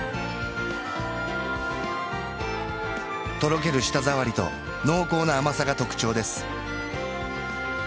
とろける舌触りと濃厚な甘さが特徴です